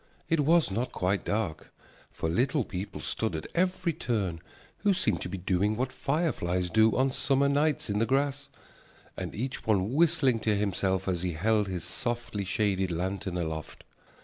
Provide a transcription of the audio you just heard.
It was not quite dark, for Little People stood at every turn who seemed to be doing what fireflies do on summer nights in the grass, and each one whistling to himself as he held his softly shaded lantern aloft.